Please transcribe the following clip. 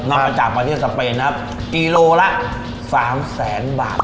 มาจากประเทศสเปนนะครับกิโลละ๓แสนบาท